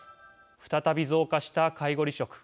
再び増加した介護離職。